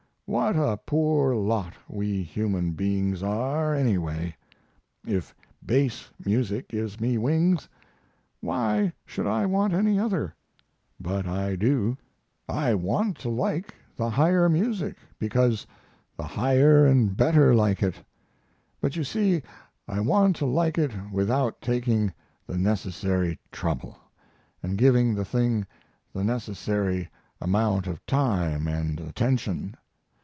What a poor lot we human beings are anyway! If base music gives me wings, why should I want any other? But I do. I want to like the higher music because the higher and better like it. But you see I want to like it without taking the necessary trouble, and giving the thing the necessary amount of time and attention.